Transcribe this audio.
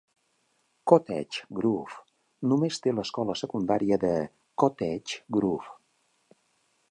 Cottage Grove només té l'Escola secundària de Cottage Grove.